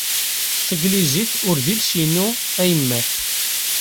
Tanglizit ur d iles-inu ayemmat.